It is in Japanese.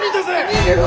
逃げろ！